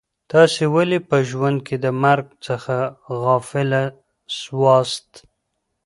تاسي ولي په ژوند کي د مرګ څخه غافله سواست؟